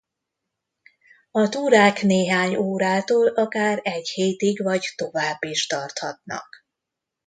A túrák néhány órától akár egy hétig vagy tovább is tarthatnak.